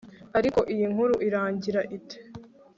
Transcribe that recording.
Ariko iyi nkuru irangira ite